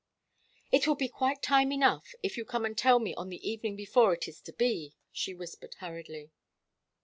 "It will be quite time enough, if you come and tell me on the evening before it is to be," she whispered hurriedly.